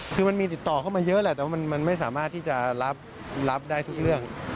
คือมันมีติดต่อเข้ามาเยอะแหละแต่ว่ามันไม่สามารถที่จะรับได้ทุกเรื่อง